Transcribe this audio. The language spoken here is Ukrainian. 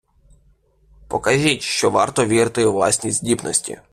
Покажіть, що варто вірити у власні здібності.